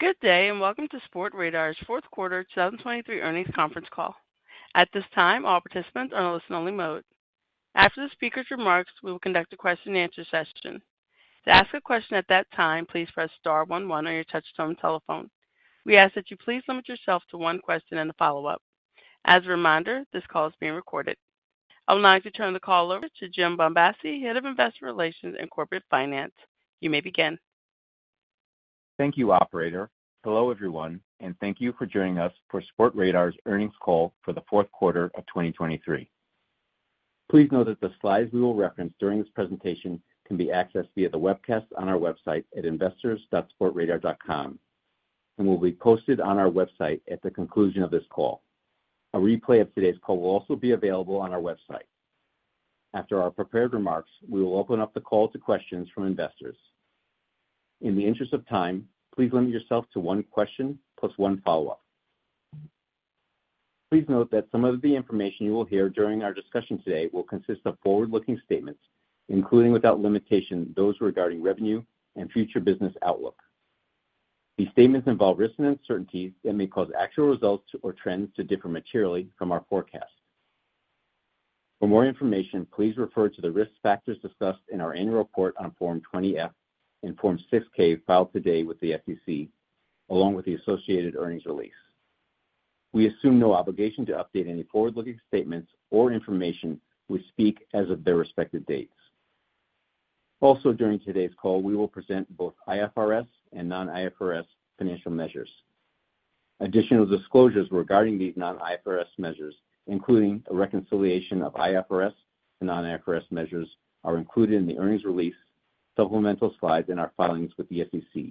Good day and welcome to Sportradar's fourth quarter 2023 earnings conference call. At this time, all participants are in a listen-only mode. After the speaker's remarks, we will conduct a question-and-answer session. To ask a question at that time, please press star 11 on your touch-tone telephone. We ask that you please limit yourself to one question and a follow-up. As a reminder, this call is being recorded. I'll now turn the call over to Jim Bombassei, Head of Investor Relations and Corporate Finance. You may begin. Thank you, operator. Hello, everyone, and thank you for joining us for Sportradar's earnings call for the fourth quarter of 2023. Please note that the slides we will reference during this presentation can be accessed via the webcast on our website at investors.sportradar.com and will be posted on our website at the conclusion of this call. A replay of today's call will also be available on our website. After our prepared remarks, we will open up the call to questions from investors. In the interest of time, please limit yourself to one question plus one follow-up. Please note that some of the information you will hear during our discussion today will consist of forward-looking statements, including without limitation those regarding revenue and future business outlook. These statements involve risks and uncertainties that may cause actual results or trends to differ materially from our forecast. For more information, please refer to the risk factors discussed in our annual report on Form 20-F and Form 6-K filed today with the SEC, along with the associated earnings release. We assume no obligation to update any forward-looking statements or information we speak as of their respective dates. Also, during today's call, we will present both IFRS and non-IFRS financial measures. Additional disclosures regarding these non-IFRS measures, including a reconciliation of IFRS and non-IFRS measures, are included in the earnings release, supplemental slides, and our filings with the SEC,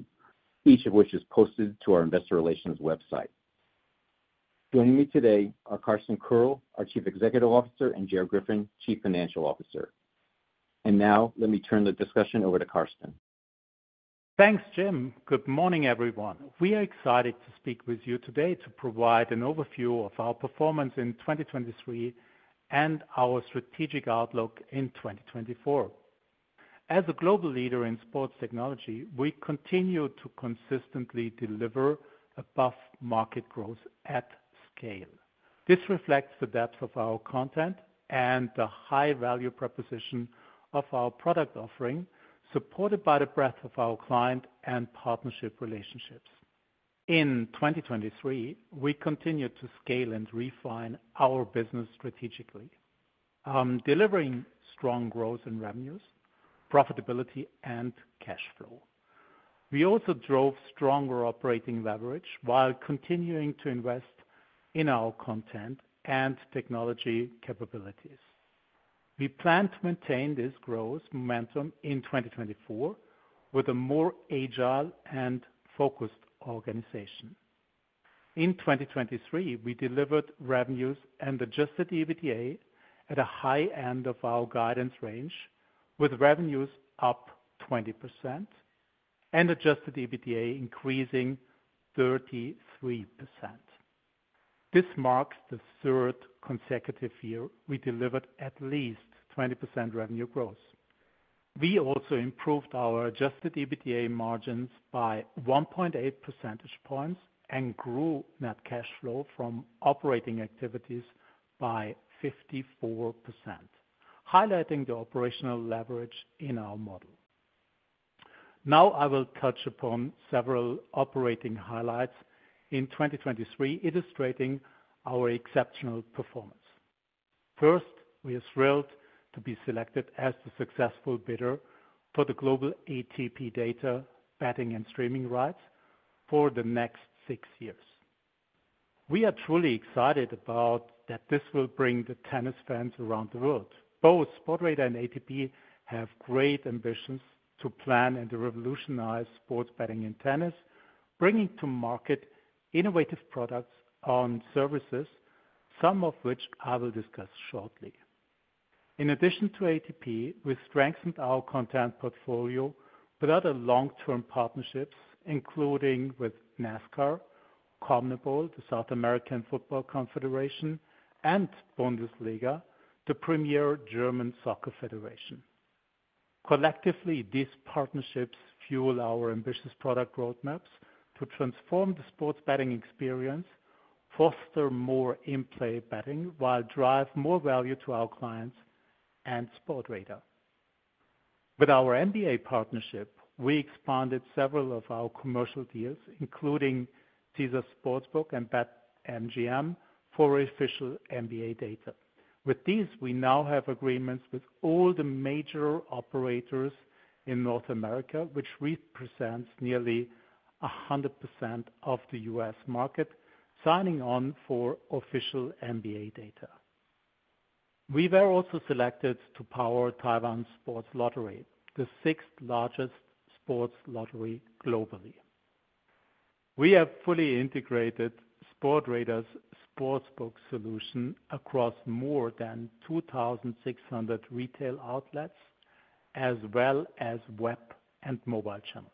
each of which is posted to our investor relations website. Joining me today are Carsten Koerl, our Chief Executive Officer, and Gerard Griffin, Chief Financial Officer. And now let me turn the discussion over to Carsten. Thanks, Jim. Good morning, everyone. We are excited to speak with you today to provide an overview of our performance in 2023 and our strategic outlook in 2024. As a global leader in sports technology, we continue to consistently deliver above-market growth at scale. This reflects the depth of our content and the high value proposition of our product offering, supported by the breadth of our client and partnership relationships. In 2023, we continued to scale and refine our business strategically, delivering strong growth in revenues, profitability, and cash flow. We also drove stronger operating leverage while continuing to invest in our content and technology capabilities. We plan to maintain this growth momentum in 2024 with a more agile and focused organization. In 2023, we delivered revenues and Adjusted EBITDA at a high end of our guidance range, with revenues up 20% and Adjusted EBITDA increasing 33%. This marks the third consecutive year we delivered at least 20% revenue growth. We also improved our Adjusted EBITDA margins by 1.8 percentage points and grew net cash flow from operating activities by 54%, highlighting the operational leverage in our model. Now I will touch upon several operating highlights in 2023, illustrating our exceptional performance. First, we are thrilled to be selected as the successful bidder for the global ATP data betting and streaming rights for the next six years. We are truly excited that this will bring the tennis fans around the world. Both Sportradar and ATP have great ambitions to plan and revolutionize sports betting in tennis, bringing to market innovative products and services, some of which I will discuss shortly. In addition to ATP, we strengthened our content portfolio with other long-term partnerships, including with NASCAR, CONMEBOL, the South American Football Confederation, and Bundesliga, the Premier German Soccer Federation. Collectively, these partnerships fuel our ambitious product roadmaps to transform the sports betting experience, foster more in-play betting, while driving more value to our clients and Sportradar. With our NBA partnership, we expanded several of our commercial deals, including Caesars Sportsbook and BetMGM, for official NBA data. With these, we now have agreements with all the major operators in North America, which represents nearly 100% of the U.S. market, signing on for official NBA data. We were also selected to power Taiwan Sports Lottery, the sixth-largest sports lottery globally. We have fully integrated Sportradar's Sportsbook Solution across more than 2,600 retail outlets, as well as web and mobile channels.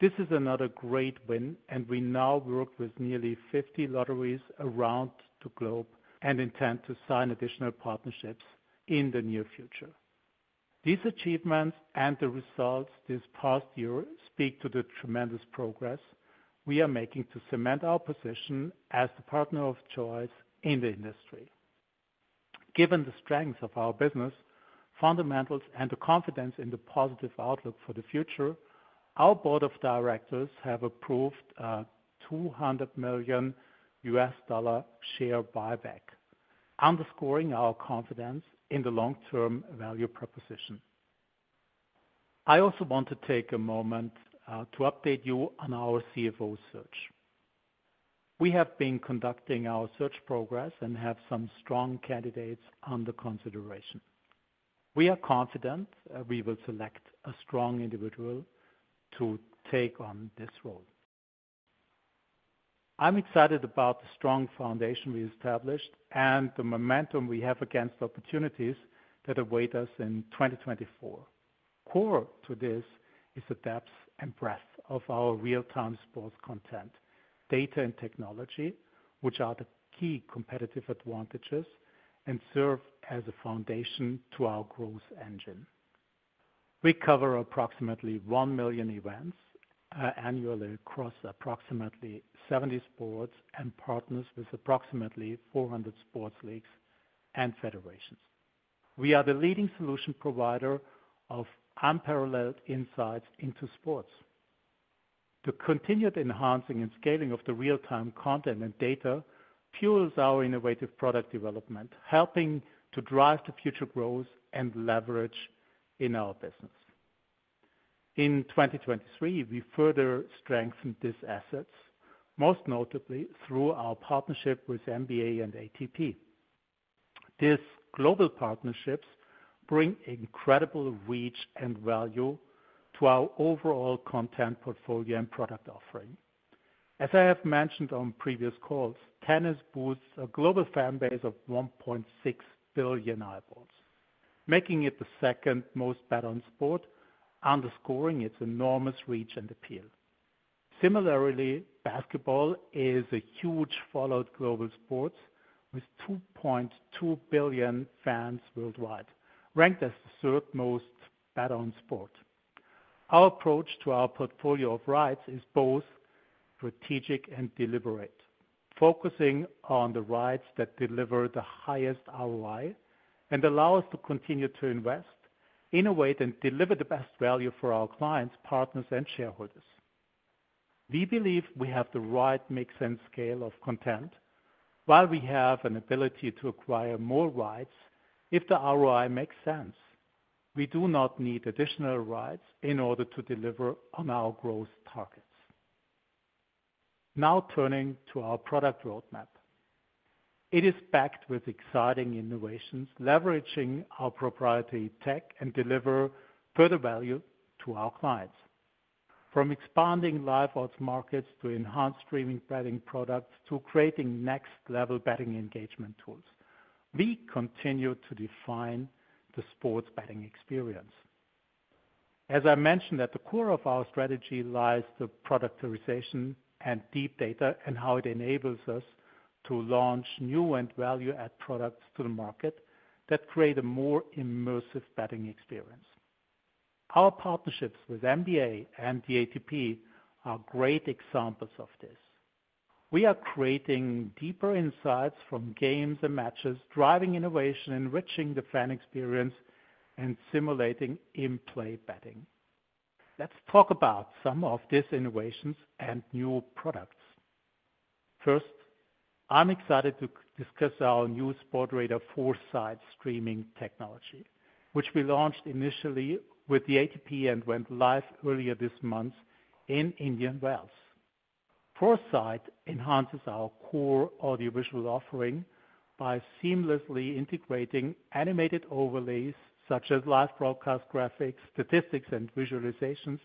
This is another great win, and we now work with nearly 50 lotteries around the globe and intend to sign additional partnerships in the near future. These achievements and the results this past year speak to the tremendous progress we are making to cement our position as the partner of choice in the industry. Given the strengths of our business, fundamentals, and the confidence in the positive outlook for the future, our board of directors has approved a $200 million share buyback, underscoring our confidence in the long-term value proposition. I also want to take a moment to update you on our CFO search. We have been conducting our search process and have some strong candidates under consideration. We are confident we will select a strong individual to take on this role. I'm excited about the strong foundation we established and the momentum we have against opportunities that await us in 2024. Core to this is the depth and breadth of our real-time sports content, data and technology, which are the key competitive advantages and serve as a foundation to our growth engine. We cover approximately 1 million events annually across approximately 70 sports and partners with approximately 400 sports leagues and federations. We are the leading solution provider of unparalleled insights into sports. The continued enhancing and scaling of the real-time content and data fuels our innovative product development, helping to drive the future growth and leverage in our business. In 2023, we further strengthened these assets, most notably through our partnership with NBA and ATP. These global partnerships bring incredible reach and value to our overall content portfolio and product offering. As I have mentioned on previous calls, tennis boosts a global fanbase of 1.6 billion eyeballs, making it the second-most-bet-on sport, underscoring its enormous reach and appeal. Similarly, basketball is a huge followed global sport with 2.2 billion fans worldwide, ranked as the third-most-bet-on sport. Our approach to our portfolio of rights is both strategic and deliberate, focusing on the rights that deliver the highest ROI and allow us to continue to invest, innovate, and deliver the best value for our clients, partners, and shareholders. We believe we have the right makes sense scale of content, while we have an ability to acquire more rights if the ROI makes sense. We do not need additional rights in order to deliver on our growth targets. Now turning to our product roadmap. It is backed with exciting innovations, leveraging our proprietary tech and delivering further value to our clients. From expanding live odds markets to enhanced streaming betting products to creating next-level betting engagement tools, we continue to define the sports betting experience. As I mentioned, at the core of our strategy lies the productization and deep data and how it enables us to launch new and value-add products to the market that create a more immersive betting experience. Our partnerships with NBA and the ATP are great examples of this. We are creating deeper insights from games and matches, driving innovation, enriching the fan experience, and simulating in-play betting. Let's talk about some of these innovations and new products. First, I'm excited to discuss our new Sportradar 4Sight streaming technology, which we launched initially with the ATP and went live earlier this month in India and Wales. 4Sight enhances our core audiovisual offering by seamlessly integrating animated overlays such as live broadcast graphics, statistics, and visualizations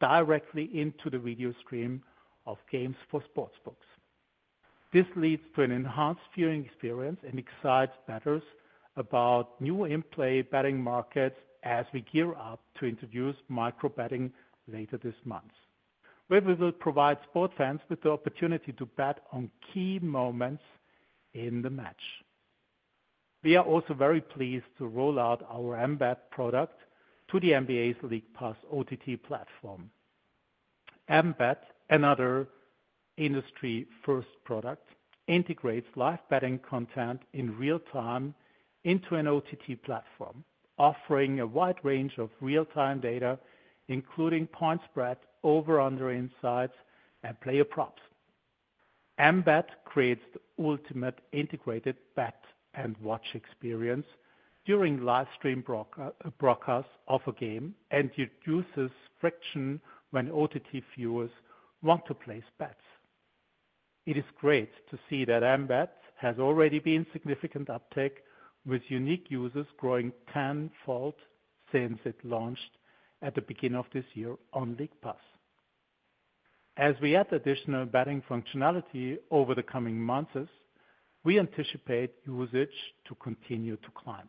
directly into the video stream of games for sportsbooks. This leads to an enhanced viewing experience and excites bettors about new in-play betting markets as we gear up to introduce micro-betting later this month, where we will provide sports fans with the opportunity to bet on key moments in the match. We are also very pleased to roll out our emBET product to the NBA's League Pass OTT platform. emBET, another industry-first product, integrates live betting content in real time into an OTT platform, offering a wide range of real-time data, including point spread, over/under insights, and player props. emBET creates the ultimate integrated bet and watch experience during live stream broadcasts of a game and reduces friction when OTT viewers want to place bets. It is great to see that emBET has already been significantly uptaken, with unique users growing tenfold since it launched at the beginning of this year on League Pass. As we add additional betting functionality over the coming months, we anticipate usage to continue to climb.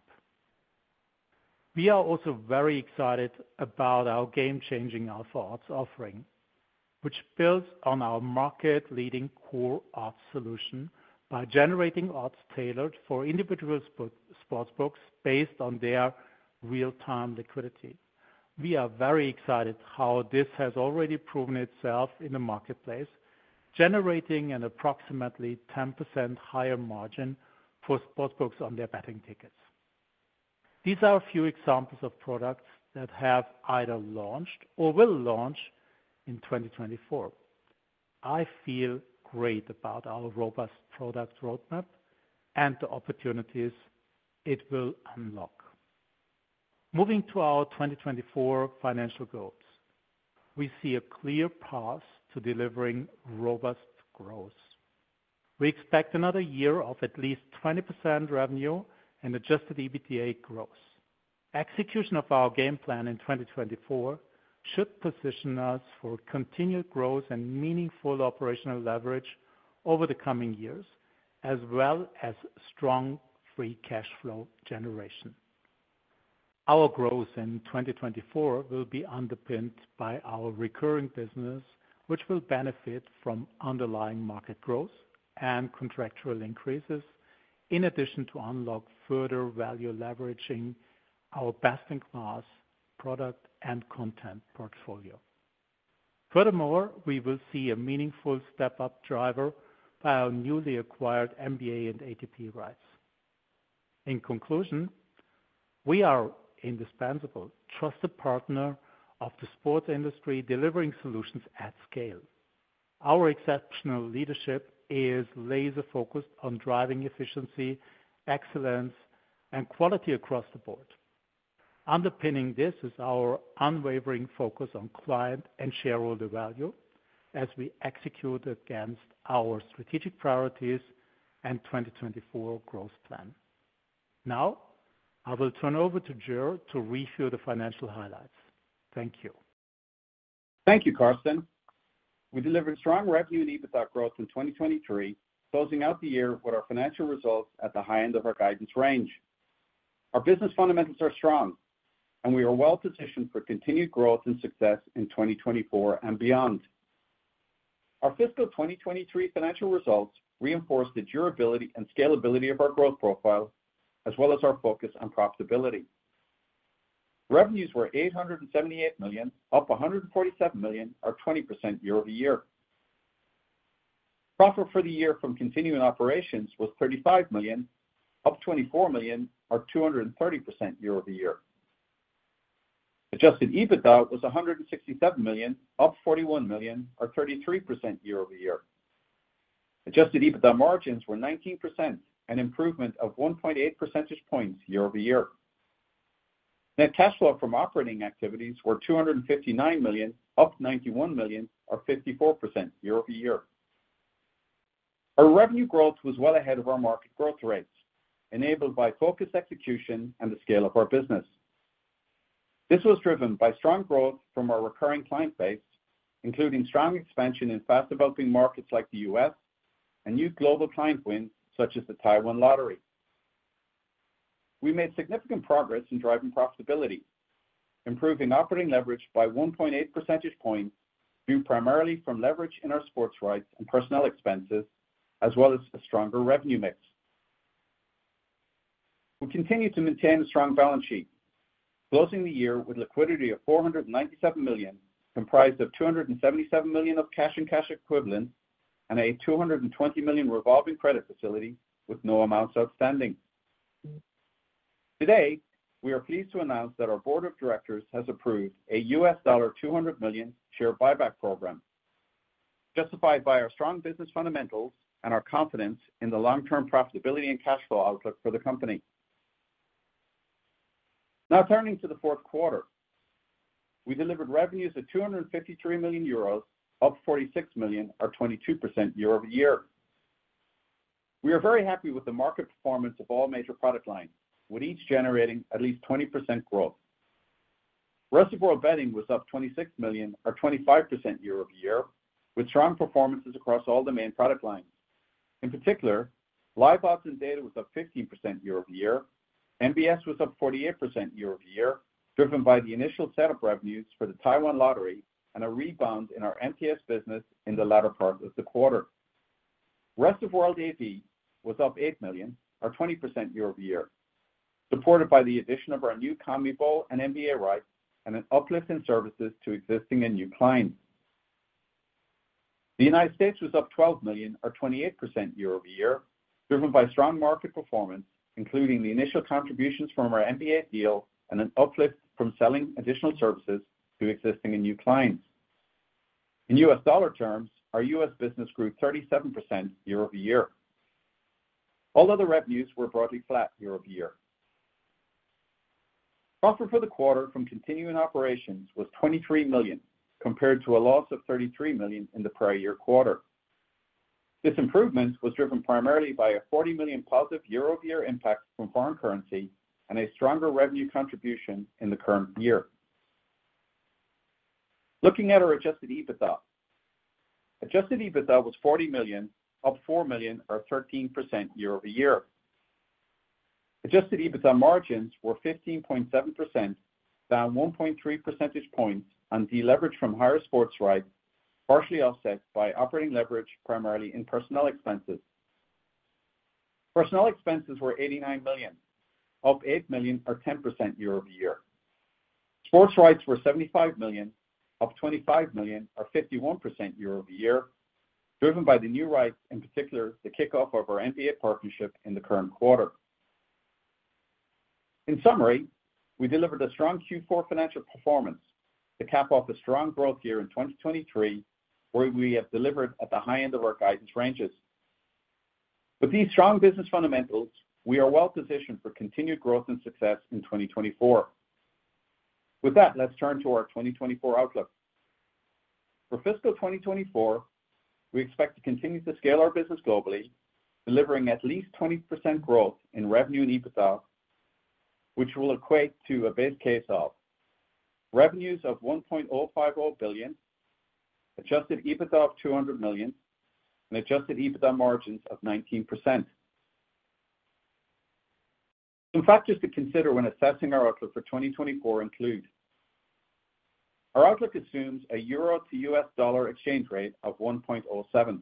We are also very excited about our game-changing Alpha Odds offering, which builds on our market-leading core odds solution by generating odds tailored for individual sportsbooks based on their real-time liquidity. We are very excited how this has already proven itself in the marketplace, generating an approximately 10% higher margin for sportsbooks on their betting tickets. These are a few examples of products that have either launched or will launch in 2024. I feel great about our robust product roadmap and the opportunities it will unlock. Moving to our 2024 financial goals. We see a clear path to delivering robust growth. We expect another year of at least 20% revenue and Adjusted EBITDA growth. Execution of our game plan in 2024 should position us for continued growth and meaningful operational leverage over the coming years, as well as strong free cash flow generation. Our growth in 2024 will be underpinned by our recurring business, which will benefit from underlying market growth and contractual increases, in addition to unlocking further value leveraging our best-in-class product and content portfolio. Furthermore, we will see a meaningful step-up driver by our newly acquired NBA and ATP rights. In conclusion, we are an indispensable, trusted partner of the sports industry, delivering solutions at scale. Our exceptional leadership is laser-focused on driving efficiency, excellence, and quality across the board. Underpinning this is our unwavering focus on client and shareholder value as we execute against our strategic priorities and 2024 growth plan. Now, I will turn over to Gerard to review the financial highlights. Thank you. Thank you, Carsten. We delivered strong revenue and EBITDA growth in 2023, closing out the year with our financial results at the high end of our guidance range. Our business fundamentals are strong, and we are well-positioned for continued growth and success in 2024 and beyond. Our fiscal 2023 financial results reinforced the durability and scalability of our growth profile, as well as our focus on profitability. Revenues were $878 million, up $147 million, or 20% year-over-year. Profit for the year from continuing operations was $35 million, up $24 million, or 230% year-over-year. Adjusted EBITDA was $167 million, up $41 million, or 33% year-over-year. Adjusted EBITDA margins were 19%, an improvement of 1.8 percentage points year-over-year. Net cash flow from operating activities was $259 million, up $91 million, or 54% year-over-year. Our revenue growth was well ahead of our market growth rates, enabled by focused execution and the scale of our business. This was driven by strong growth from our recurring client base, including strong expansion in fast-developing markets like the U.S. and new global client wins such as the Taiwan Lottery. We made significant progress in driving profitability, improving operating leverage by 1.8 percentage points due primarily from leverage in our sports rights and personnel expenses, as well as a stronger revenue mix. We continue to maintain a strong balance sheet, closing the year with liquidity of $497 million, comprised of $277 million of cash and cash equivalents and a $220 million revolving credit facility with no amounts outstanding. Today, we are pleased to announce that our board of directors has approved a $200 million share buyback program, justified by our strong business fundamentals and our confidence in the long-term profitability and cash flow outlook for the company. Now turning to the fourth quarter. We delivered revenues of 253 million euros, up 46 million, or 22% year-over-year. We are very happy with the market performance of all major product lines, with each generating at least 20% growth. Rest of world betting was up 26 million, or 25% year-over-year, with strong performances across all the main product lines. In particular, live odds and data was up 15% year-over-year. MBS was up 48% year-over-year, driven by the initial setup revenues for the Taiwan Sports Lottery and a rebound in our MTS business in the latter part of the quarter. Rest of world AV was up 8 million, or 20% year-over-year, supported by the addition of our new CONMEBOL and NBA rights and an uplift in services to existing and new clients. The United States was up 12 million, or 28% year-over-year, driven by strong market performance, including the initial contributions from our NBA deal and an uplift from selling additional services to existing and new clients. In U.S. dollar terms, our U.S. business grew 37% year-over-year. All other revenues were broadly flat year-over-year. Profit for the quarter from continuing operations was $23 million, compared to a loss of $33 million in the prior year quarter. This improvement was driven primarily by a $40 million positive year-over-year impact from foreign currency and a stronger revenue contribution in the current year. Looking at our Adjusted EBITDA. Adjusted EBITDA was $40 million, up $4 million, or 13% year-over-year. Adjusted EBITDA margins were 15.7%, down 1.3 percentage points on deleveraged from higher sports rights, partially offset by operating leverage primarily in personnel expenses. Personnel expenses were $89 million, up $8 million, or 10% year-over-year. Sports rights were $75 million, up $25 million, or 51% year-over-year, driven by the new rights, in particular the kickoff of our NBA partnership in the current quarter. In summary, we delivered a strong Q4 financial performance, to cap off a strong growth year in 2023, where we have delivered at the high end of our guidance ranges. With these strong business fundamentals, we are well-positioned for continued growth and success in 2024. With that, let's turn to our 2024 outlook. For fiscal 2024, we expect to continue to scale our business globally, delivering at least 20% growth in revenue and EBITDA, which will equate to a base case of revenues of $1.050 billion, adjusted EBITDA of $200 million, and adjusted EBITDA margins of 19%. Some factors to consider when assessing our outlook for 2024 include. Our outlook assumes a euro to U.S. dollar exchange rate of 1.07.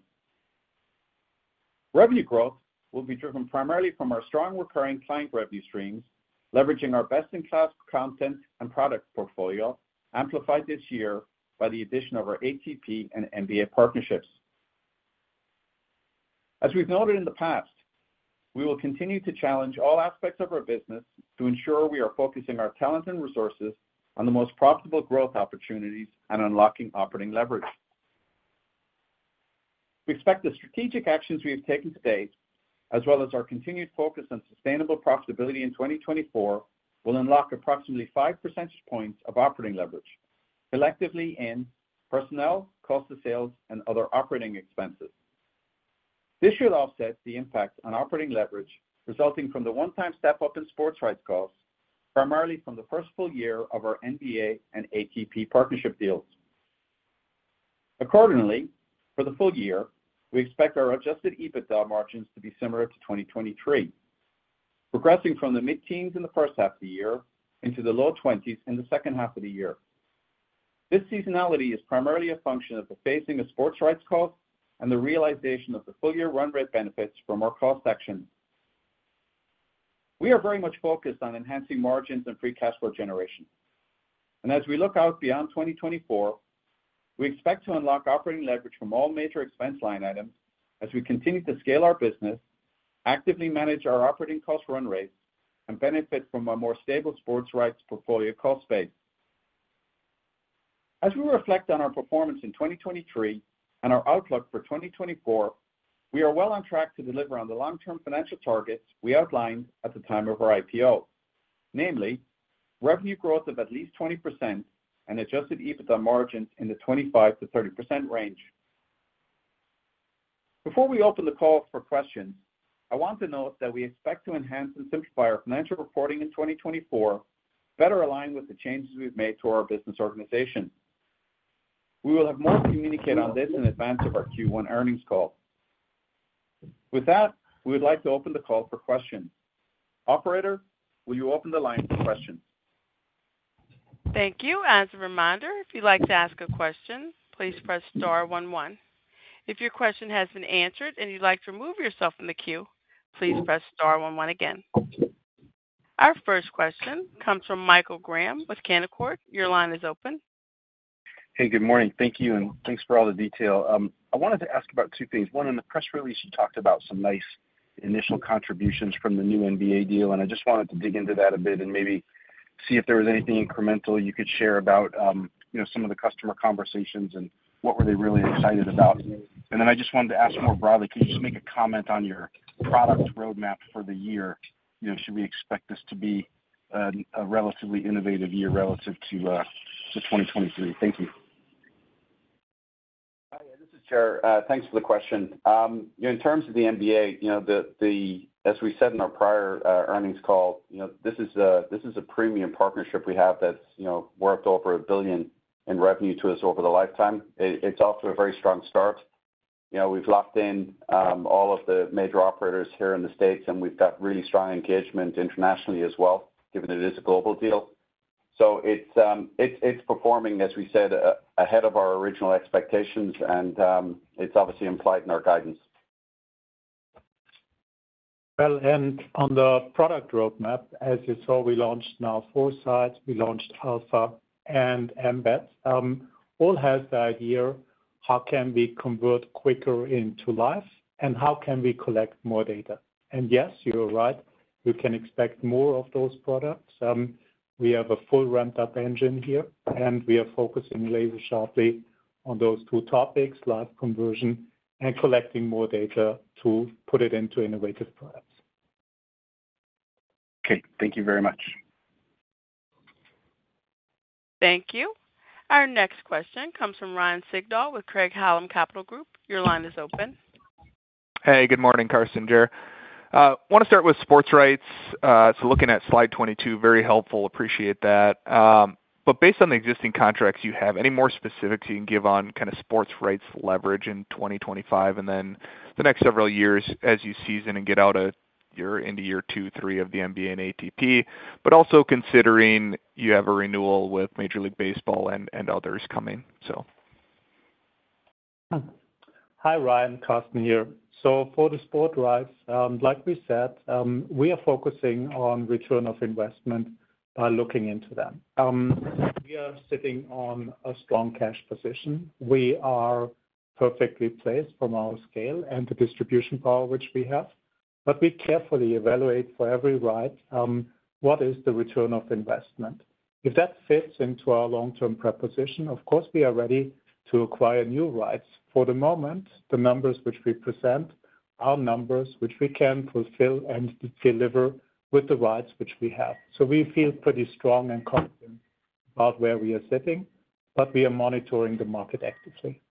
Revenue growth will be driven primarily from our strong recurring client revenue streams, leveraging our best-in-class content and product portfolio, amplified this year by the addition of our ATP and NBA partnerships. As we've noted in the past, we will continue to challenge all aspects of our business to ensure we are focusing our talent and resources on the most profitable growth opportunities and unlocking operating leverage. We expect the strategic actions we have taken today, as well as our continued focus on sustainable profitability in 2024, will unlock approximately 5 percentage points of operating leverage, collectively in personnel, cost of sales, and other operating expenses. This should offset the impact on operating leverage resulting from the one-time step-up in sports rights costs, primarily from the first full year of our NBA and ATP partnership deals. Accordingly, for the full year, we expect our Adjusted EBITDA margins to be similar to 2023, progressing from the mid-teens in the first half of the year into the low 20s in the second half of the year. This seasonality is primarily a function of facing the sports rights costs and the realization of the full-year run rate benefits from our cost actions. We are very much focused on enhancing margins and free cash flow generation. As we look out beyond 2024, we expect to unlock operating leverage from all major expense line items as we continue to scale our business, actively manage our operating cost run rates, and benefit from a more stable sports rights portfolio cost base. As we reflect on our performance in 2023 and our outlook for 2024, we are well on track to deliver on the long-term financial targets we outlined at the time of our IPO, namely revenue growth of at least 20% and Adjusted EBITDA margins in the 25%-30% range. Before we open the call for questions, I want to note that we expect to enhance and simplify our financial reporting in 2024, better aligned with the changes we've made to our business organization. We will have more to communicate on this in advance of our Q1 earnings call. With that, we would like to open the call for questions. Operator, will you open the line for questions? Thank you. As a reminder, if you'd like to ask a question, please press star 11. If your question has been answered and you'd like to remove yourself from the queue, please press star 11 again. Our first question comes from Michael Graham with Canaccord. Your line is open. Hey, good morning. Thank you, and thanks for all the detail. I wanted to ask about two things. One, in the press release, you talked about some nice initial contributions from the new NBA deal, and I just wanted to dig into that a bit and maybe see if there was anything incremental you could share about some of the customer conversations and what were they really excited about? Then I just wanted to ask more broadly, could you just make a comment on your product roadmap for the year? Should we expect this to be a relatively innovative year relative to 2023? Thank you. Hi, this is Gerard. Thanks for the question. In terms of the NBA, as we said in our prior earnings call, this is a premium partnership we have that's worked over $1 billion in revenue to us over the lifetime. It's off to a very strong start. We've locked in all of the major operators here in the States, and we've got really strong engagement internationally as well, given it is a global deal. So it's performing, as we said, ahead of our original expectations, and it's obviously implied in our guidance. Well, and on the product roadmap, as you saw, we launched 4Sight. We launched Alpha and emBET. All has the idea, how can we convert quicker into life, and how can we collect more data? And yes, you're right. We can expect more of those products. We have a full ramped-up engine here, and we are focusing laser-sharply on those two topics, live conversion, and collecting more data to put it into innovative products. Okay. Thank you very much. Thank you. Our next question comes from Ryan Sigdahl with Craig-Hallum Capital Group. Your line is open. Hey, good morning, Carsten, Gerard. Want to start with sports rights. So looking at slide 22, very helpful. Appreciate that. But based on the existing contracts you have, any more specifics you can give on kind of sports rights leverage in 2025 and then the next several years as you season and get out of year one into year two, three of the NBA and ATP, but also considering you have a renewal with Major League Baseball and others coming, so. Hi, Ryan. Carsten here. So for the sports rights, like we said, we are focusing on return on investment by looking into them. We are sitting on a strong cash position. We are perfectly placed from our scale and the distribution power which we have. But we carefully evaluate for every right what is the return on investment. If that fits into our long-term position, of course, we are ready to acquire new rights. For the moment, the numbers which we present are numbers which we can fulfill and deliver with the rights which we have. So we feel pretty strong and confident about where we are sitting, but we are monitoring the market actively.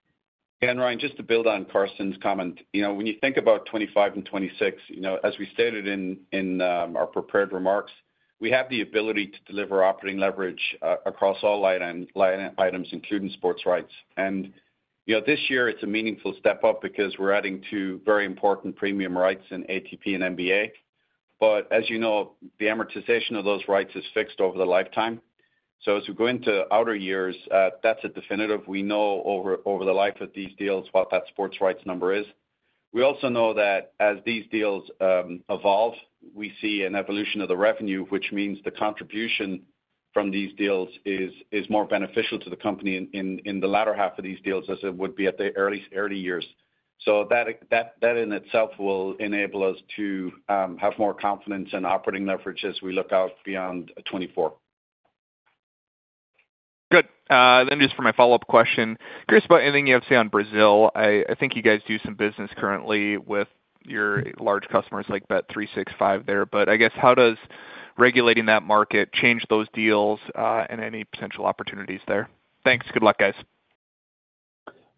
And Ryan, just to build on Carsten's comment, when you think about 2025 and 2026, as we stated in our prepared remarks, we have the ability to deliver operating leverage across all line items, including sports rights. And this year, it's a meaningful step up because we're adding two very important premium rights in ATP and NBA. But as you know, the amortization of those rights is fixed over the lifetime. So as we go into outer years, that's a definitive. We know over the life of these deals what that sports rights number is. We also know that as these deals evolve, we see an evolution of the revenue, which means the contribution from these deals is more beneficial to the company in the latter half of these deals as it would be at the early years. So that in itself will enable us to have more confidence in operating leverage as we look out beyond 2024. Good. Then just for my follow-up question, curious about anything you have to say on Brazil. I think you guys do some business currently with your large customers like Bet365 there, but I guess how does regulating that market change those deals and any potential opportunities there? Thanks. Good luck, guys.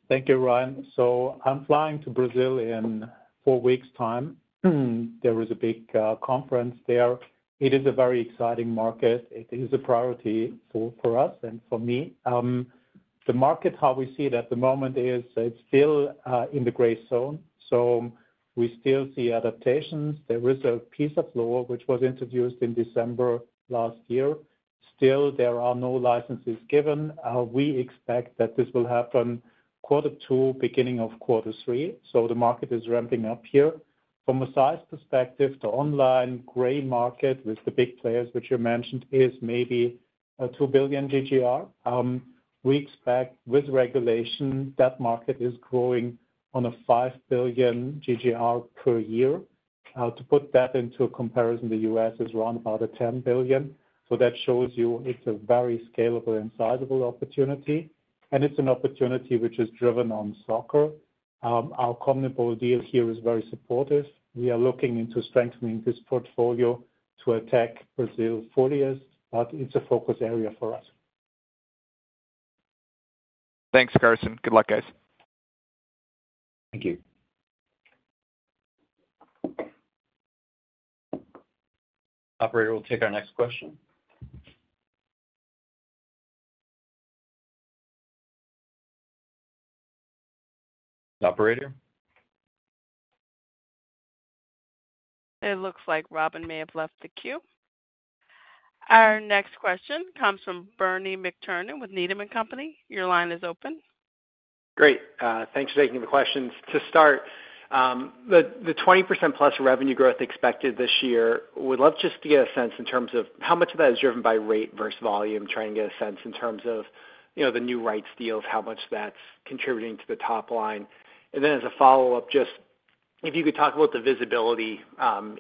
Thank you, Ryan. So I'm flying to Brazil in four weeks' time. There is a big conference there. It is a very exciting market. It is a priority for us and for me. The market, how we see it at the moment, is it's still in the gray zone. So we still see adaptations. There is a piece of law which was introduced in December last year. Still, there are no licenses given. We expect that this will happen quarter two, beginning of quarter three. So the market is ramping up here. From a size perspective, the online gray market with the big players which you mentioned is maybe a $2 billion GGR. We expect, with regulation, that market is growing on a $5 billion GGR per year. To put that into a comparison, the US is round about a $10 billion. So that shows you it's a very scalable and sizable opportunity. And it's an opportunity which is driven on soccer. Our Comme Evolve deal here is very supportive. We are looking into strengthening this portfolio to attack Brazil's focus, but it's a focus area for us. Thanks, Carsten. Good luck, guys. Thank you. Operator, we'll take our next question. Operator? It looks like Robin may have left the queue. Our next question comes from Bernie McTernan with Needham & Company. Your line is open. Great. Thanks for taking the questions. To start, the 20%-plus revenue growth expected this year, we'd love just to get a sense in terms of how much of that is driven by rate versus volume, trying to get a sense in terms of the new rights deals, how much that's contributing to the top line. And then as a follow-up, just if you could talk about the visibility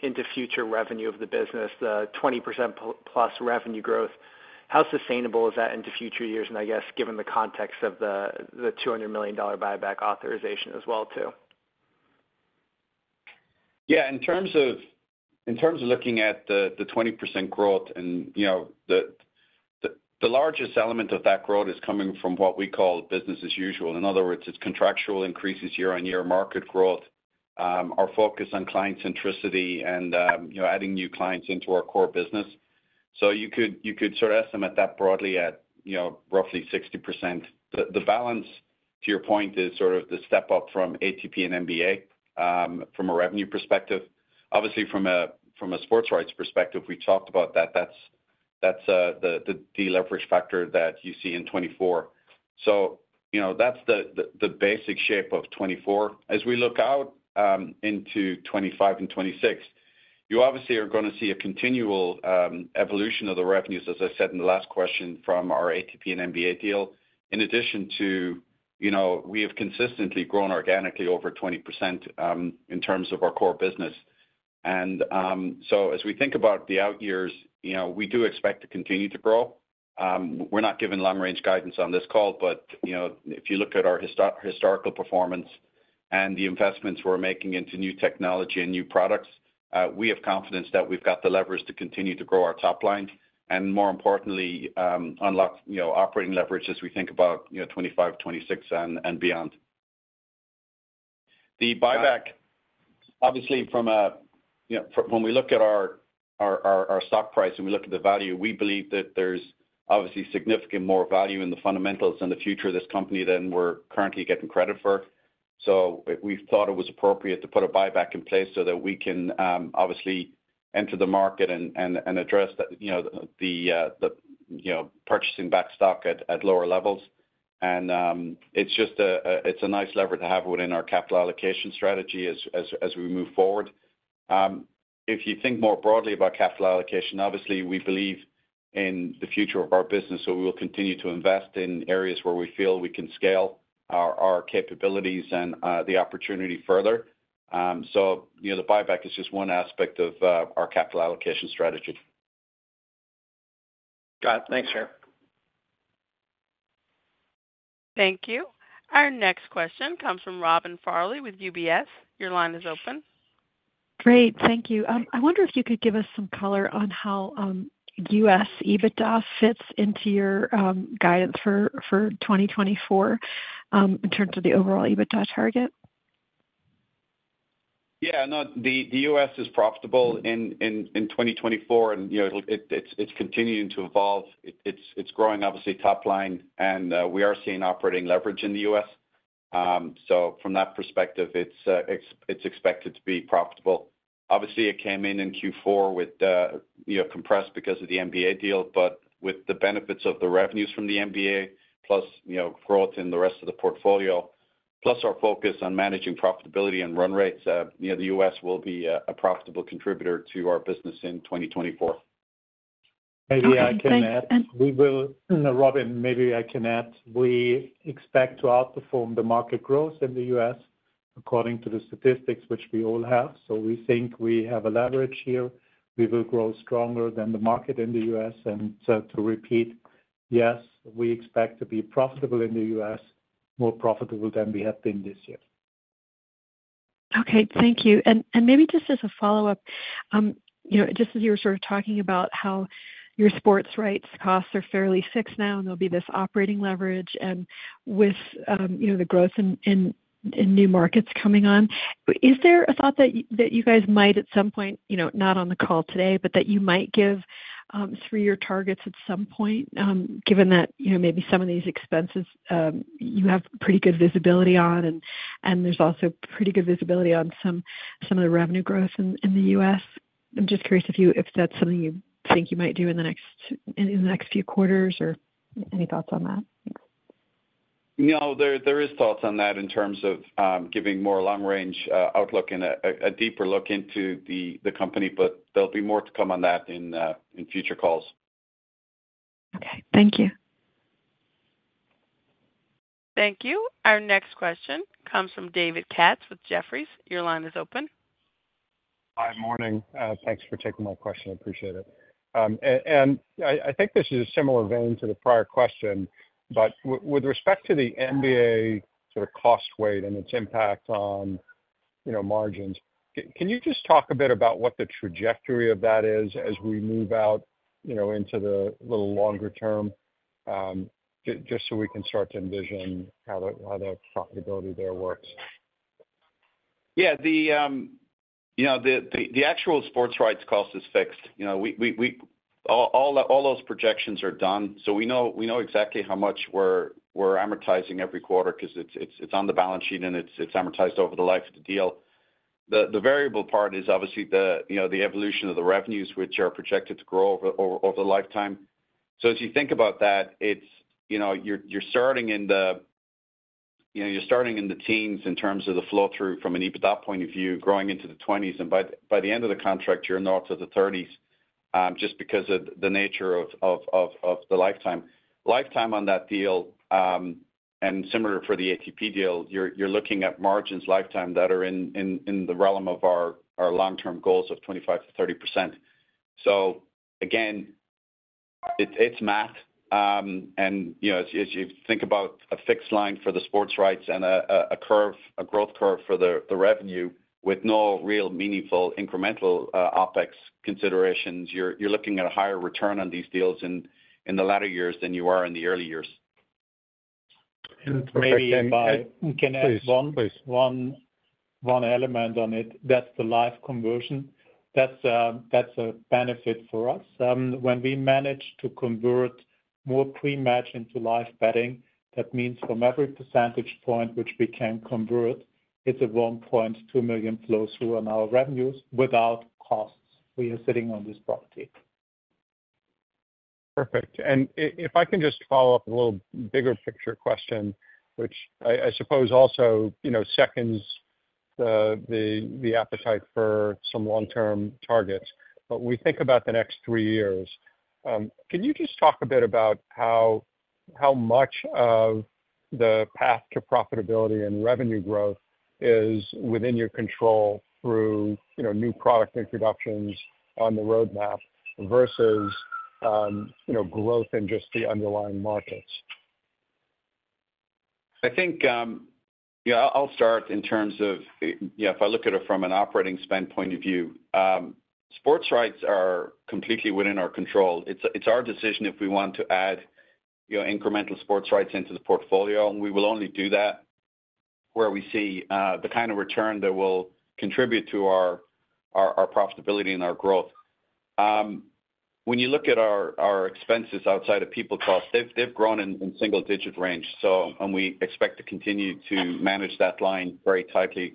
into future revenue of the business, the 20%-plus revenue growth, how sustainable is that into future years? And I guess given the context of the $200 million buyback authorization as well too. Yeah. In terms of looking at the 20% growth, the largest element of that growth is coming from what we call business as usual. In other words, it's contractual increases year-on-year market growth, our focus on client centricity, and adding new clients into our core business. So you could sort of estimate that broadly at roughly 60%. The balance, to your point, is sort of the step up from ATP and NBA from a revenue perspective. Obviously, from a sports rights perspective, we talked about that. That's the deal leverage factor that you see in 2024. So that's the basic shape of 2024. As we look out into 2025 and 2026, you obviously are going to see a continual evolution of the revenues, as I said in the last question, from our ATP and NBA deal, in addition to we have consistently grown organically over 20% in terms of our core business. So as we think about the out years, we do expect to continue to grow. We're not giving long-range guidance on this call, but if you look at our historical performance and the investments we're making into new technology and new products, we have confidence that we've got the levers to continue to grow our top line and, more importantly, unlock operating leverage as we think about 2025, 2026, and beyond. The buyback, obviously, from a when we look at our stock price and we look at the value, we believe that there's obviously significant more value in the fundamentals and the future of this company than we're currently getting credit for. So we thought it was appropriate to put a buyback in place so that we can obviously enter the market and address the purchasing back stock at lower levels. And it's a nice lever to have within our capital allocation strategy as we move forward. If you think more broadly about capital allocation, obviously, we believe in the future of our business. So we will continue to invest in areas where we feel we can scale our capabilities and the opportunity further. So the buyback is just one aspect of our capital allocation strategy. Got it. Thanks, Gerard. Thank you. Our next question comes from Robin Farley with UBS.Your line is open. Great. Thank you. I wonder if you could give us some color on how U.S. EBITDA fits into your guidance for 2024 in terms of the overall EBITDA target. Yeah. No. The U.S. is profitable in 2024, and it's continuing to evolve. It's growing, obviously, top line, and we are seeing operating leverage in the U.S. So from that perspective, it's expected to be profitable. Obviously, it came in in Q4 with compressed because of the NBA deal, but with the benefits of the revenues from the NBA plus growth in the rest of the portfolio plus our focus on managing profitability and run rates, the U.S. will be a profitable contributor to our business in 2024. Maybe I can add. Thanks. And Robin, maybe I can add. We expect to outperform the market growth in the U.S. according to the statistics which we all have. So we think we have a leverage here. We will grow stronger than the market in the U.S. And to repeat, yes, we expect to be profitable in the U.S., more profitable than we have been this year. Okay. Thank you. And maybe just as a follow-up, just as you were sort of talking about how your sports rights costs are fairly fixed now and there'll be this operating leverage and with the growth in new markets coming on, is there a thought that you guys might at some point, not on the call today, but that you might give three-year targets at some point, given that maybe some of these expenses you have pretty good visibility on and there's also pretty good visibility on some of the revenue growth in the U.S.? I'm just curious if that's something you think you might do in the next few quarters or any thoughts on that. No. There is thoughts on that in terms of giving more long-range outlook and a deeper look into the company, but there'll be more to come on that in future calls. Okay. Thank you. Thank you. Our next question comes from David Katz with Jefferies. Your line is open. Hi. Morning. Thanks for taking my question. I appreciate it. And I think this is a similar vein to the prior question, but with respect to the NBA sort of cost weight and its impact on margins, can you just talk a bit about what the trajectory of that is as we move out into the little longer term just so we can start to envision how the profitability there works? Yeah. The actual sports rights cost is fixed. All those projections are done. So we know exactly how much we're amortizing every quarter because it's on the balance sheet and it's amortized over the life of the deal. The variable part is obviously the evolution of the revenues which are projected to grow over the lifetime. So as you think about that, you're starting in the teens in terms of the flow-through from an EBITDA point of view, growing into the 20s. And by the end of the contract, you're north of the 30s just because of the nature of the lifetime. Lifetime on that deal and similar for the ATP deal, you're looking at margins lifetime that are in the realm of our long-term goals of 25%-30%. So again, it's math. As you think about a fixed line for the sports rights and a growth curve for the revenue with no real meaningful incremental OpEx considerations, you're looking at a higher return on these deals in the latter years than you are in the early years. Maybe if I can add one element on it, that's the live conversion. That's a benefit for us. When we manage to convert more pre-match into live betting, that means from every percentage point which we can convert, it's a 1.2 million flow-through on our revenues without costs. We are sitting on this property. Perfect. If I can just follow up a little bigger picture question, which I suppose also seconds the appetite for some long-term targets, but we think about the next three years, can you just talk a bit about how much of the path to profitability and revenue growth is within your control through new product introductions on the roadmap versus growth in just the underlying markets? I think I'll start in terms of if I look at it from an operating spend point of view, sports rights are completely within our control. It's our decision if we want to add incremental sports rights into the portfolio, and we will only do that where we see the kind of return that will contribute to our profitability and our growth. When you look at our expenses outside of people costs, they've grown in single-digit range, and we expect to continue to manage that line very tightly.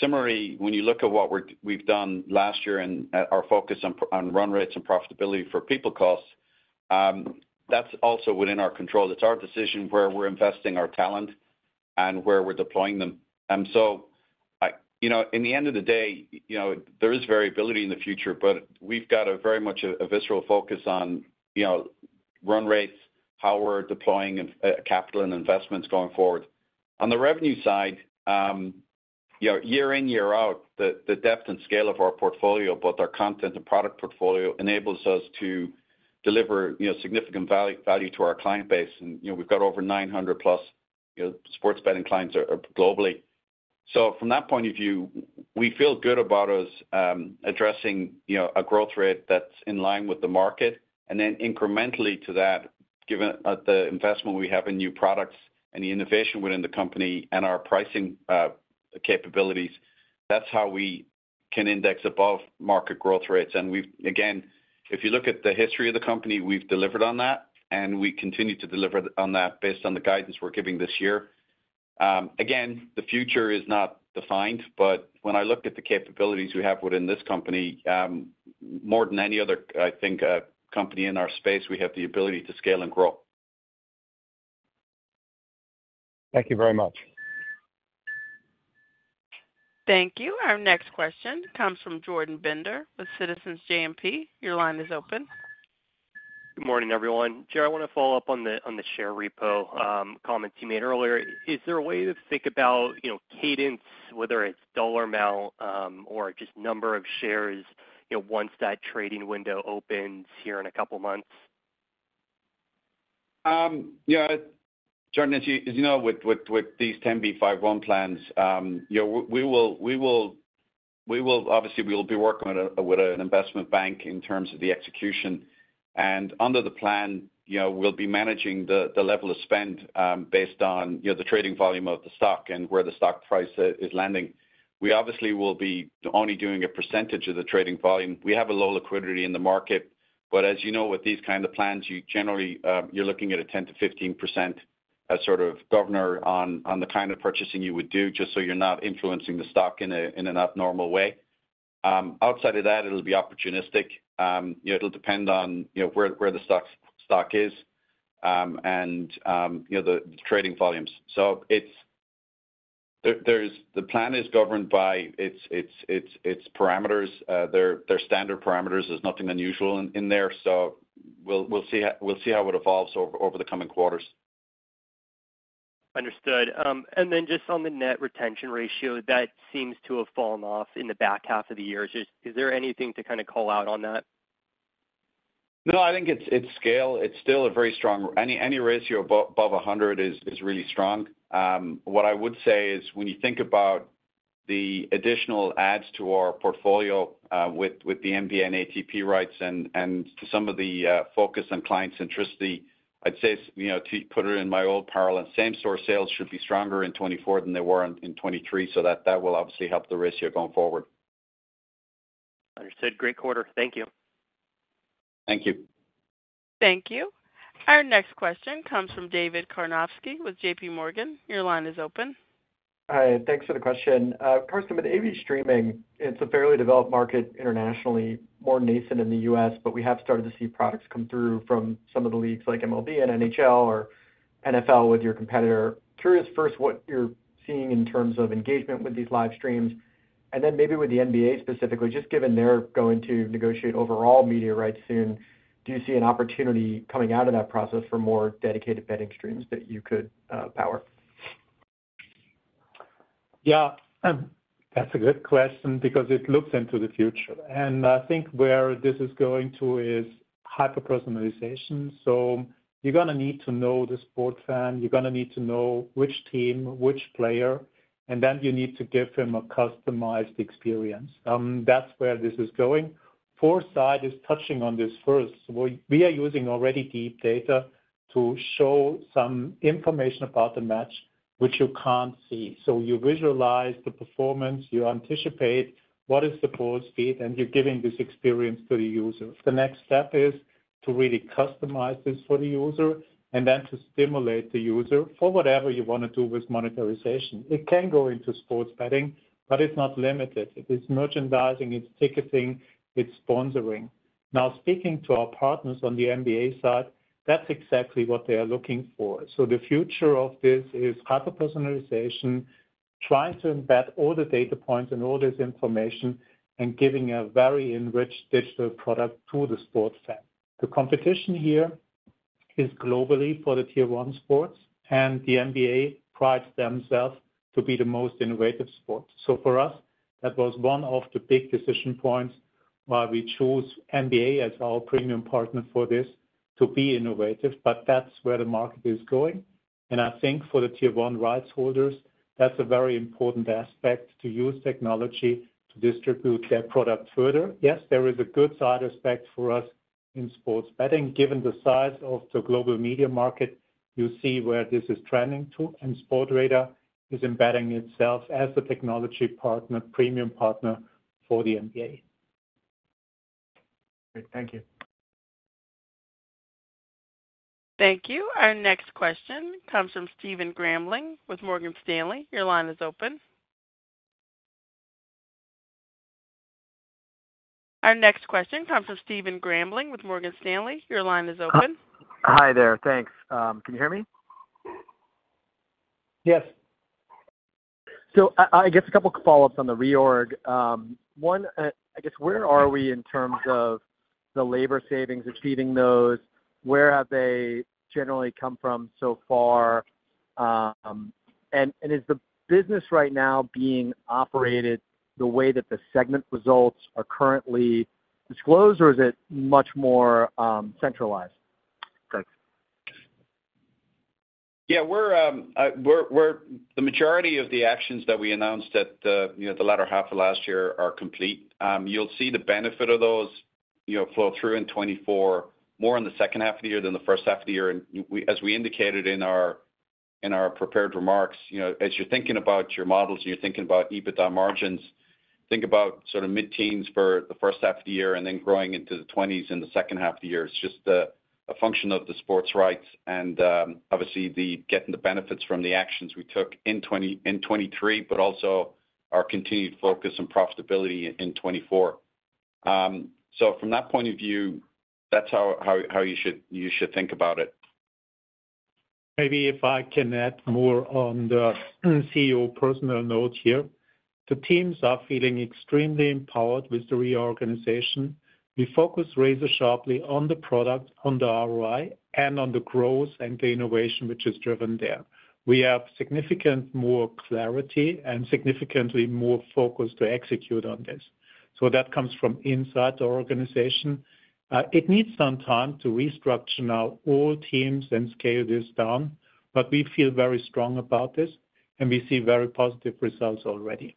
Similarly, when you look at what we've done last year and our focus on run rates and profitability for people costs, that's also within our control. It's our decision where we're investing our talent and where we're deploying them. And so in the end of the day, there is variability in the future, but we've got very much a visceral focus on run rates, how we're deploying capital and investments going forward. On the revenue side, year in, year out, the depth and scale of our portfolio, both our content and product portfolio, enables us to deliver significant value to our client base. And we've got over 900+ sports betting clients globally. So from that point of view, we feel good about us addressing a growth rate that's in line with the market. And then incrementally to that, given the investment we have in new products and the innovation within the company and our pricing capabilities, that's how we can index above market growth rates. And again, if you look at the history of the company, we've delivered on that, and we continue to deliver on that based on the guidance we're giving this year. Again, the future is not defined, but when I look at the capabilities we have within this company, more than any other, I think, company in our space, we have the ability to scale and grow. Thank you very much. Thank you. Our next question comes from Jordan Bender with Citizens JMP. Your line is open. Good morning, everyone. Gerard, I want to follow up on the share repo comment you made earlier. Is there a way to think about cadence, whether it's dollar amount or just number of shares once that trading window opens here in a couple of months? Yeah. Jordan, as you know, with these 10b5-1 plans, we will obviously, we will be working with an investment bank in terms of the execution. And under the plan, we'll be managing the level of spend based on the trading volume of the stock and where the stock price is landing. We obviously will be only doing a percentage of the trading volume. We have a low liquidity in the market, but as you know, with these kinds of plans, generally, you're looking at a 10%-15% sort of. Governed by the kind of purchasing you would do just so you're not influencing the stock in an abnormal way. Outside of that, it'll be opportunistic. It'll depend on where the stock is and the trading volumes. So the plan is governed by its parameters. They're standard parameters. There's nothing unusual in there. So we'll see how it evolves over the coming quarters. Understood. And then just on the net retention ratio, that seems to have fallen off in the back half of the year. Is there anything to kind of call out on that? No. I think it's scale. It's still a very strong NRR. Any ratio above 100 is really strong. What I would say is when you think about the additional adds to our portfolio with the NBA and ATP rights and to some of the focus on client centricity, I'd say to put it in my old parallel, same-source sales should be stronger in 2024 than they were in 2023. So that will obviously help the ratio going forward. Understood. Great quarter. Thank you. Thank you. Thank you. Our next question comes from David Karnovsky with JPMorgan. Your line is open. Hi. Thanks for the question. Carsten, with AV streaming, it's a fairly developed market internationally, more nascent in the U.S., but we have started to see products come through from some of the leagues like MLB and NHL or NFL with your competitor. Curious first what you're seeing in terms of engagement with these live streams. And then maybe with the NBA specifically, just given they're going to negotiate overall media rights soon, do you see an opportunity coming out of that process for more dedicated betting streams that you could power? Yeah. That's a good question because it looks into the future. And I think where this is going to is hyper-personalization. So you're going to need to know the sports fan. You're going to need to know which team, which player, and then you need to give him a customized experience. That's where this is going. 4Sight is touching on this first. We are using already deep data to show some information about the match which you can't see. So you visualize the performance. You anticipate what is the ball's speed, and you're giving this experience to the user. The next step is to really customize this for the user and then to stimulate the user for whatever you want to do with monetization. It can go into sports betting, but it's not limited. It is merchandising. It's ticketing. It's sponsoring. Now, speaking to our partners on the NBA side, that's exactly what they are looking for. So the future of this is hyper-personalization, trying to embed all the data points and all this information and giving a very enriched digital product to the sports fan. The competition here is globally for the Tier 1 sports, and the NBA prides themselves to be the most innovative sport. So for us, that was one of the big decision points why we chose NBA as our premium partner for this to be innovative. But that's where the market is going. I think for the Tier 1 rights holders, that's a very important aspect to use technology to distribute their product further. Yes, there is a good side aspect for us in sports betting. Given the size of the global media market, you see where this is trending to, and Sportradar is embedding itself as the technology partner, premium partner for the NBA. Great. Thank you. Thank you. Our next question comes from Stephen Grambling with Morgan Stanley. Your line is open. Our next question comes from Stephen Grambling with Morgan Stanley. Your line is open. Hi there. Thanks. Can you hear me? Yes. I guess a couple of follow-ups on the reorg. One, I guess, where are we in terms of the labor savings, achieving those? Where have they generally come from so far? Is the business right now being operated the way that the segment results are currently disclosed, or is it much more centralized? Thanks. Yeah. The majority of the actions that we announced at the latter half of last year are complete. You'll see the benefit of those flow through in 2024, more in the second half of the year than the first half of the year. As we indicated in our prepared remarks, as you're thinking about your models and you're thinking about EBITDA margins, think about sort of mid-teens for the first half of the year and then growing into the 2020s in the second half of the year. It's just a function of the sports rights and obviously getting the benefits from the actions we took in 2023 but also our continued focus on profitability in 2024. So from that point of view, that's how you should think about it. Maybe if I can add more on the CEO personal note here. The teams are feeling extremely empowered with the reorganization. We focus razor sharply on the product, on the ROI, and on the growth and the innovation which is driven there. We have significant more clarity and significantly more focus to execute on this. So that comes from inside the organization. It needs some time to restructure now all teams and scale this down, but we feel very strong about this, and we see very positive results already.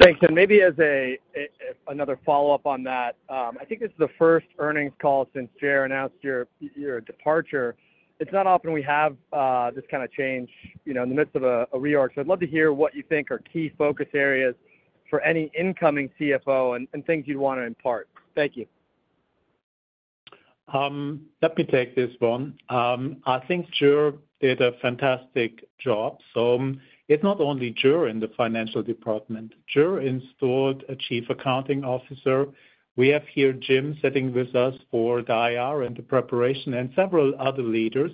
Thanks. And maybe as another follow-up on that, I think this is the first earnings call since Gerard announced your departure. It's not often we have this kind of change in the midst of a reorg. So I'd love to hear what you think are key focus areas for any incoming CFO and things you'd want to impart. Thank you. Let me take this one. I think Gerard did a fantastic job. So it's not only Gerard in the financial department. Gerard installed a Chief Accounting Officer. We have here Jim sitting with us for the IR and the preparation and several other leaders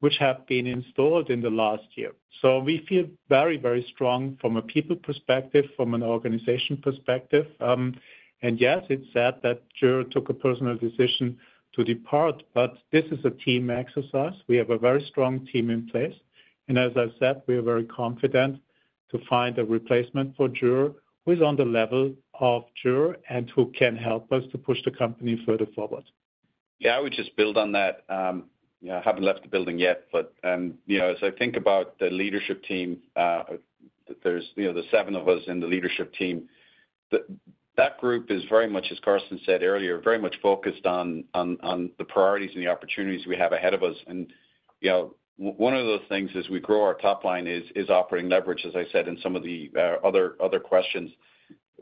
which have been installed in the last year. So we feel very, very strong from a people perspective, from an organization perspective. And yes, it's sad that Gerard took a personal decision to depart, but this is a team exercise. We have a very strong team in place. And as I said, we are very confident to find a replacement for Gerard who is on the level of Gerard and who can help us to push the company further forward. ' Yeah. I would just build on that. I haven't left the building yet, but as I think about the leadership team, there's the 7 of us in the leadership team. That group is very much, as Carsten said earlier, very much focused on the priorities and the opportunities we have ahead of us. And one of those things as we grow our top line is operating leverage, as I said in some of the other questions.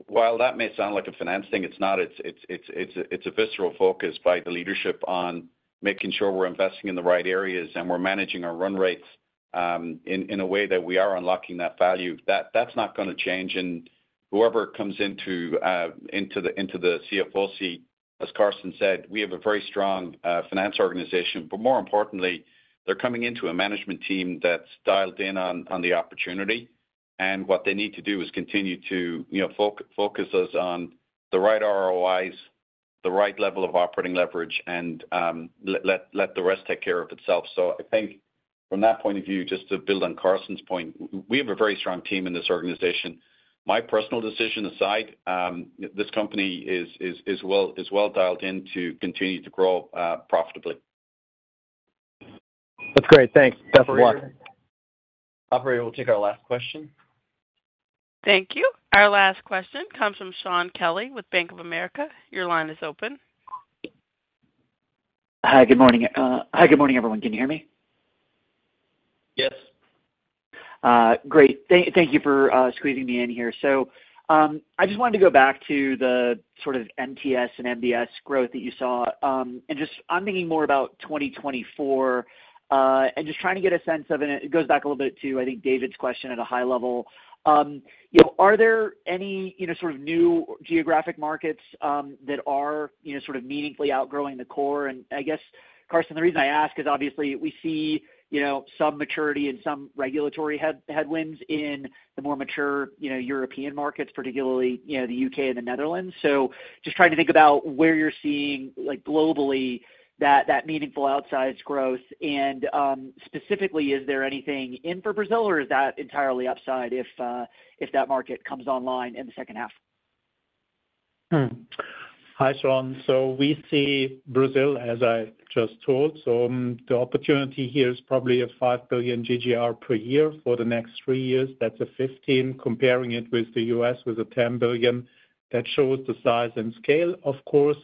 While that may sound like a finance thing, it's not. It's a visceral focus by the leadership on making sure we're investing in the right areas and we're managing our run rates in a way that we are unlocking that value. That's not going to change. Whoever comes into the CFO seat, as Carsten said, we have a very strong finance organization, but more importantly, they're coming into a management team that's dialed in on the opportunity. What they need to do is continue to focus us on the right ROIs, the right level of operating leverage, and let the rest take care of itself. I think from that point of view, just to build on Carsten's point, we have a very strong team in this organization. My personal decision aside, this company is well dialed in to continue to grow profitably. That's great. Thanks. Best of luck. Operator, we'll take our last question. Thank you. Our last question comes from Shaun Kelley with Bank of America. Your line is open. Hi. Good morning. Hi. Good morning, everyone. Can you hear me? Yes. Great. Thank you for squeezing me in here. So I just wanted to go back to the sort of MTS and MBS growth that you saw. And just I'm thinking more about 2024 and just trying to get a sense of it goes back a little bit to, I think, David's question at a high level. Are there any sort of new geographic markets that are sort of meaningfully outgrowing the core? And I guess, Carsten, the reason I ask is obviously, we see some maturity and some regulatory headwinds in the more mature European markets, particularly the U.K. and the Netherlands. So just trying to think about where you're seeing globally that meaningful outsized growth. And specifically, is there anything in for Brazil, or is that entirely upside if that market comes online in the second half? Hi, Shaun. So we see Brazil, as I just told. So the opportunity here is probably a $5 billion GGR per year for the next three years. That's a $15 billion. Comparing it with the U.S. with a $10 billion, that shows the size and scale. Of course,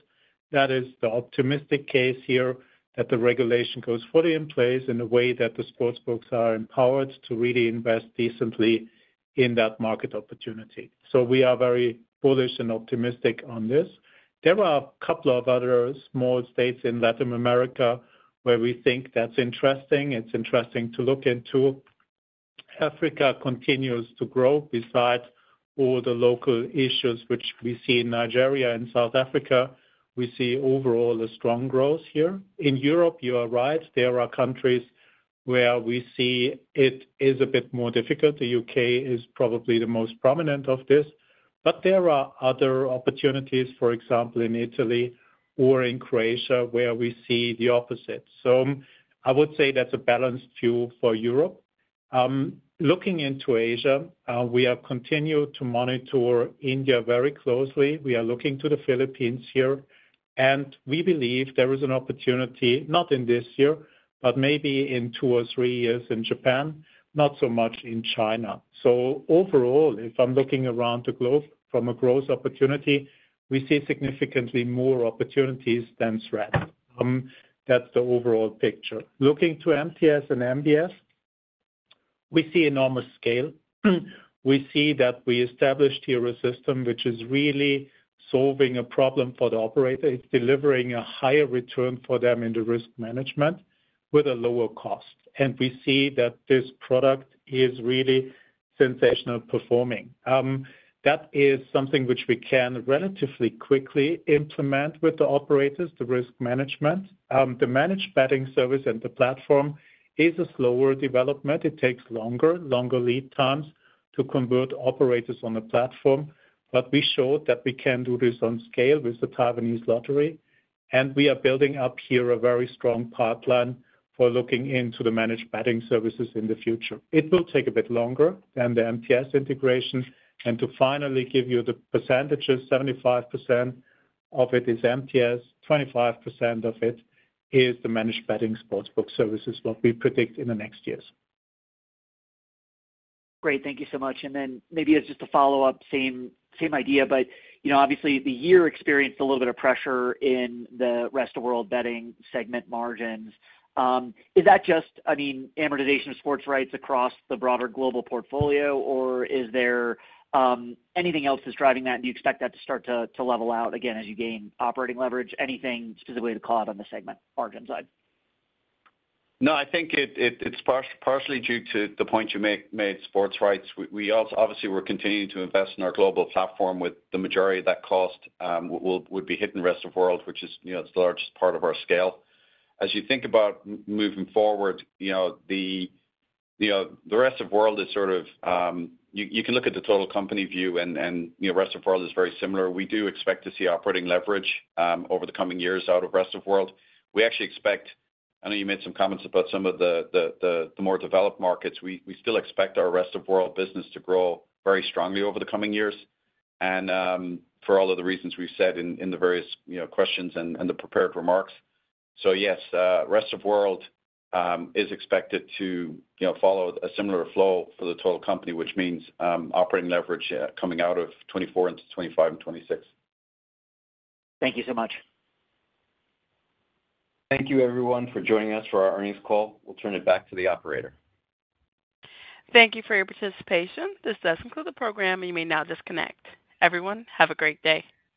that is the optimistic case here that the regulation goes fully in place in a way that the sportsbooks are empowered to really invest decently in that market opportunity. So we are very bullish and optimistic on this. There are a couple of other small states in Latin America where we think that's interesting. It's interesting to look into. Africa continues to grow. Besides all the local issues which we see in Nigeria and South Africa, we see overall a strong growth here. In Europe, you are right. There are countries where we see it is a bit more difficult. The U.K. is probably the most prominent of this. But there are other opportunities, for example, in Italy or in Croatia where we see the opposite. So I would say that's a balanced view for Europe. Looking into Asia, we continue to monitor India very closely. We are looking to the Philippines here. And we believe there is an opportunity not in this year but maybe in two or three years in Japan, not so much in China. So overall, if I'm looking around the globe from a growth opportunity, we see significantly more opportunities than threats. That's the overall picture. Looking to MTS and MBS, we see enormous scale. We see that we established here a system which is really solving a problem for the operator. It's delivering a higher return for them in the risk management with a lower cost. And we see that this product is really sensational performing. That is something which we can relatively quickly implement with the operators, the risk management. The Managed Betting Service and the platform is a slower development. It takes longer, longer lead times to convert operators on the platform. But we showed that we can do this on scale with the Taiwanese lottery. And we are building up here a very strong pipeline for looking into the Managed Betting Services in the future. It will take a bit longer than the MTS integration. And to finally give you the percentages, 75% of it is MTS, 25% of it is the managed betting sportsbook services, what we predict in the next years. Great. Thank you so much. And then maybe as just a follow-up, same idea, but obviously, the year experienced a little bit of pressure in the Rest of the World betting segment margins. Is that just, I mean, amortization of sports rights across the broader global portfolio, or is there anything else that's driving that? And do you expect that to start to level out again as you gain operating leverage? Anything specifically to call out on the segment margin side? No. I think it's partially due to the point you made, sports rights. We obviously were continuing to invest in our global platform with the majority of that cost would be hit in the Rest of the World, which is the largest part of our scale. As you think about moving forward, the Rest of the World is sort of you can look at the total company view, and the Rest of the World is very similar. We do expect to see operating leverage over the coming years out of the Rest of the World. We actually expect. I know you made some comments about some of the more developed markets. We still expect our Rest of the World business to grow very strongly over the coming years and for all of the reasons we've said in the various questions and the prepared remarks. So yes, the Rest of the World is expected to follow a similar flow for the total company, which means operating leverage coming out of 2024 into 2025 and 2026. Thank you so much. Thank you, everyone, for joining us for our earnings call. We'll turn it back to the operator. Thank you for your participation. This does conclude the program, and you may now disconnect. Everyone, have a great day.